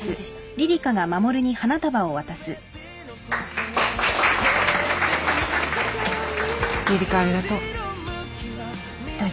リリカありがとう。